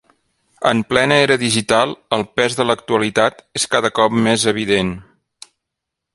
En plena era digital el pes de l'actualitat és cada cop més evident.